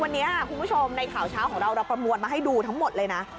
วันนี้คุณผู้ชมในข่าวเช้าของเราเราประมวลมาให้ดูทั้งหมดเลยนะ